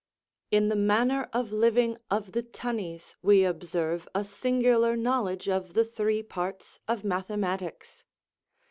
In the manner of living of the tunnies we observe a singular knowledge of the three parts of mathematics.